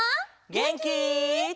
げんき？